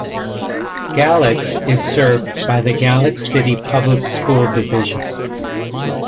Galax is served by the Galax City Public School Division.